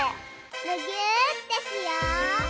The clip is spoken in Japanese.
むぎゅーってしよう！